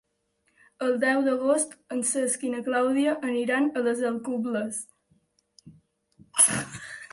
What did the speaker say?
El deu d'agost en Cesc i na Clàudia aniran a les Alcubles.